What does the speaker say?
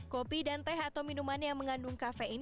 kopi dan teh atau minuman yang mengandung kafein